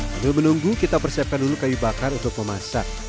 sebelum menunggu kita persiapkan dulu kayu bakar untuk memasak